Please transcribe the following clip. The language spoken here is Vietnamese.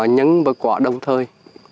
nhấn vào quả đồng thời